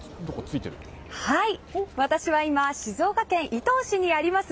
私は今静岡県伊東市にあります